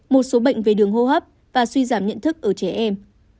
một số bệnh về đường hô hấp và suy giảm nhận thức ở trẻ em